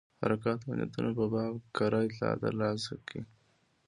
حرکاتو او نیتونو په باب کره اطلاعات ترلاسه کړي.